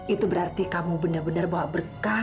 itu berarti kamu benar benar bawa berkah